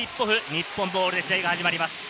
日本ボールで試合が始まります。